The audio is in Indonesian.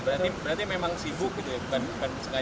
berarti memang sibuk gitu ya